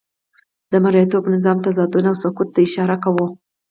د مرئیتوب نظام تضادونه او سقوط ته اشاره کوو.